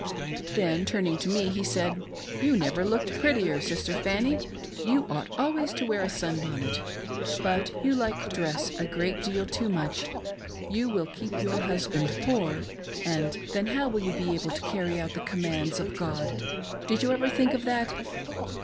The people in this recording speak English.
Then, turning to me, he said :" You never looked prettiei^ Sister Fanny, you ought always to wear a sunbonnet, but you like dress a great deal too much — you will keep your husband poor — ^3nd then how will he be able to carry out the commands "the finest thing in the world." :4I7 of God"? Did you ever thmk of that